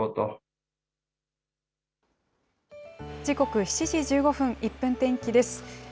時刻、７時１５分、１分天気です。